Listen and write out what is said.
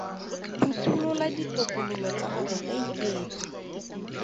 Phutholola ditokololo tsa gago ka iketlo.